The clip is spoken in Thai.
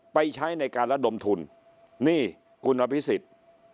ใช้ในการระดมทุนนี่คุณอภิษฎ